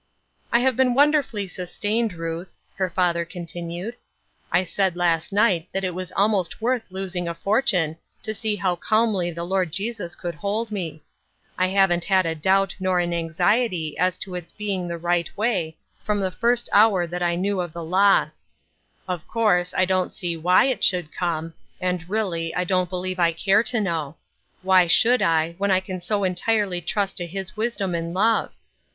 "I have been wonderfully sustained, Ruth, ' her father continued. " I said last night that it was almost worth losing a fortune to see how calmly the Lord Jesus could hold me. I haven't had a doubt nor an anxiety as to its being tho right way from the first hour that I knew of the loss. Of course I don't see why it should come, and really, I don't believe I care to know. Why bhould I, when I can so entirely trust to His wisdom and love?